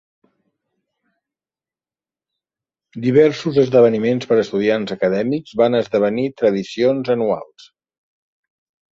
Diversos esdeveniments per estudiants acadèmics van esdevenir tradicions anuals.